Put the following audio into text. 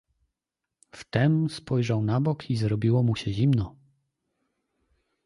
"Wtem spojrzał nabok i zrobiło mu się zimno..."